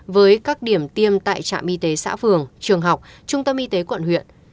với các điểm tiêm tại trạm y tế xã phường trường học trung tâm y tế quận huyện